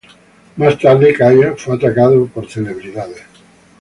Más tarde, Kaya fue atacado por celebridades.